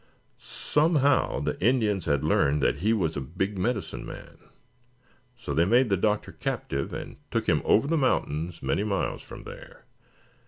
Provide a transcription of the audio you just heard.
Somehow, the Indians had learned that he was a big medicine man, so they made the Doctor captive and took him over the mountains many miles from there.